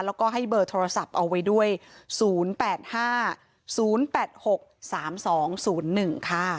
แล้วก็ให้เบอร์โทรศัพท์เอาไว้ด้วย๐๘๕๐๘๖๓๒๐๑ค่ะ